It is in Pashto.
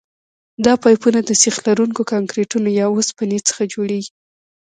دا پایپونه د سیخ لرونکي کانکریټو یا اوسپنې څخه جوړیږي